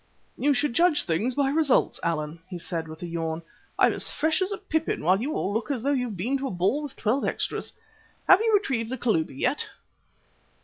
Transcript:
"You should judge things by results, Allan," he said with a yawn. "I'm as fresh as a pippin while you all look as though you had been to a ball with twelve extras. Have you retrieved the Kalubi yet?"